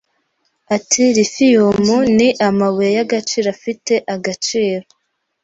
Ati Lithium ni amabuye y’agaciro afite agaciro